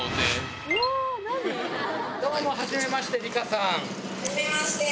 どうも初めまして里香さん。